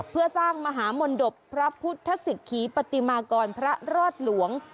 เพื่อสร้างมหามนตบพระพุทธศิกษีปฏิมากรพระรอดหลวง